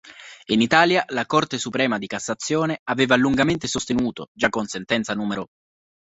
In Italia la Corte Suprema di Cassazione, aveva lungamente sostenuto, già con sentenza n.